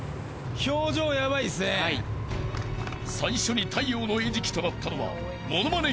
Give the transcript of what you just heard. ［最初に太陽の餌食となったのは物まね